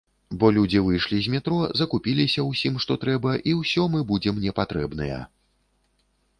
Бо людзі выйшлі з метро, закупіліся ўсім, што трэба і ўсё мы будзем непатрэбныя.